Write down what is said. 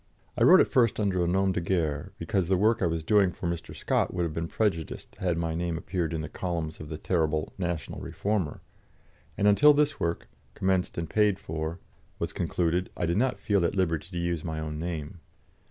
I wrote at first under a nom de guerre, because the work I was doing for Mr. Scott would have been prejudiced had my name appeared in the columns of the terrible National Reformer, and until this work commenced and paid for was concluded I did not feel at liberty to use my own name.